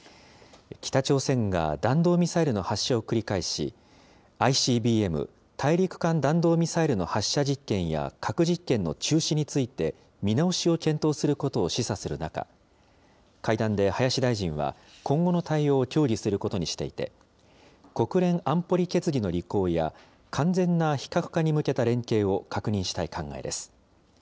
北朝鮮が弾道ミサイルの発射を繰り返し、ＩＣＢＭ・大陸間弾道ミサイルの発射実験や核実験の中止について、見直しを検討することを示唆する中、会談で林大臣は、今後の対応を協議することにしていて、国連安保理決議の履行や、完全な非核化に向けた連携を確認したい考えです。